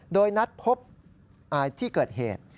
โดยนัดพบที่เกิดเหตุ